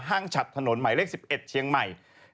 ฉัดถนนหมายเลข๑๑เชียงใหม่